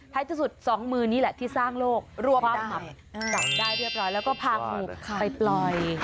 ที่สุดสองมือนี่แหละที่สร้างโลกรวบจับได้เรียบร้อยแล้วก็พาครูไปปล่อย